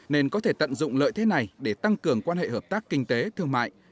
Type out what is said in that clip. nên có thể tận dụng lợi thế này để tăng cường quan hệ hợp tác kinh tế thương mại